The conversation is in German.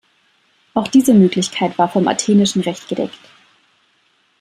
Auch diese Möglichkeit war vom athenischen Recht gedeckt.